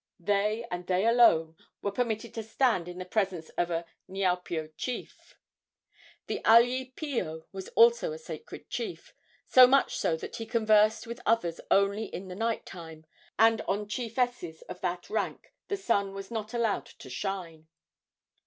They, and they alone, were permitted to stand in the presence of a niaupio chief. An alii pio was also a sacred chief, so much so that he conversed with others only in the night time, and on chiefesses of that rank the sun was not allowed to shine.